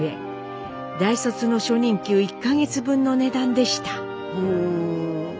大卒の初任給１か月分の値段でした。